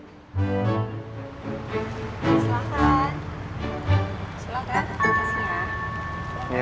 silahkan kasih ya